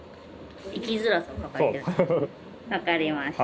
分かりました。